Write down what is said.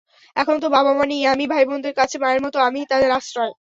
এখন তো বাবা-মা নেই, আমিই ভাইবোনদের কাছে মায়ের মতো, আমিই তাদের আশ্রয়।